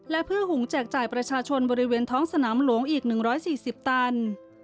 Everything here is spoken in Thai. และเพื่อหุงแจกจ่ายประชาชนบริเวณท้องสนามหลวงอีก๑๔๐ตัน